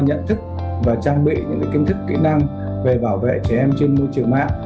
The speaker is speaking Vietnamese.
nhận thức và trang bị những kiến thức kỹ năng về bảo vệ trẻ em trên môi trường mạng